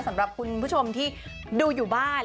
สำหรับคุณผู้ชมที่ดูอยู่บ้าน